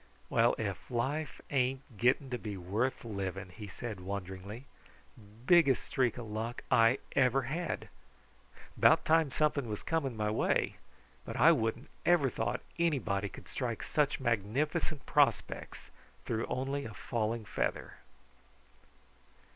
"Well, if life ain't getting to be worth living!" he said wonderingly. "Biggest streak of luck I ever had! 'Bout time something was coming my way, but I wouldn't ever thought anybody could strike such magnificent prospects through only a falling feather."